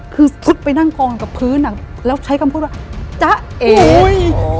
คือซุดไปนั่งกองกับพื้นอ่ะแล้วใช้คำพูดว่าจ๊ะเอ้ย